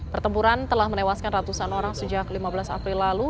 pertempuran telah menewaskan ratusan orang sejak lima belas april lalu